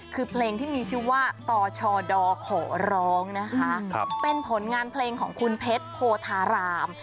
คือเพลงที่มีชื่อว่าตชดขอร้องนะคะเป็นผลงานเพลงของคุณเพชรโพธาราม